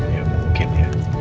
ya mungkin ya